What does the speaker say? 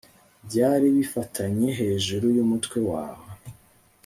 byari bifatanye hejuru yumutwe wawe